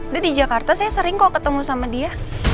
dia di jakarta saya sering kok ketemu sama dia